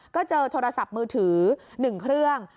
ก็เจอโทรศัพท์มือถือ๑เครื่อง